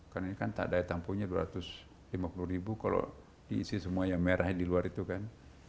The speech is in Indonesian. karena ini kan tak ada tampunya dua ratus lima puluh ribu kalau diisi semua yang merah di luar itu kan